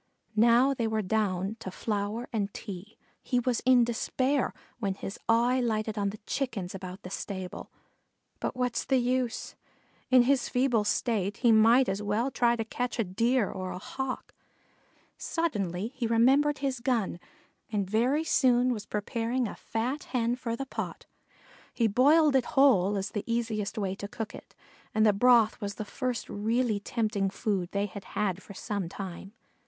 Now they were down to flour and tea. He was in despair, when his eye lighted on the Chickens about the stable; but what's the use? In his feeble state he might as well try to catch a Deer or a Hawk. Suddenly he remembered his gun and very soon was preparing a fat Hen for the pot. He boiled it whole as the easiest way to cook it, and the broth was the first really tempting food they had had for some time.